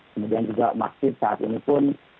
kemudian juga masjid saat ini pun